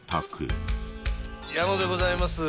矢野でございます。